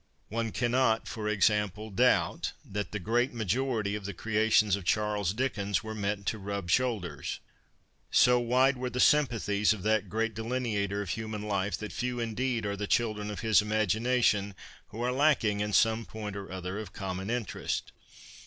One cannot, for example, doubt that the great majority of the creations of Charles Dickens were meant to ' rub shoulders.' So wide were the sym pathies of that great delineator of human life that few indeed are the children of his imagination who are lacking in some point or other of common interest.